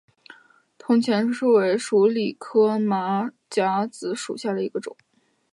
铜钱树为鼠李科马甲子属下的一个种。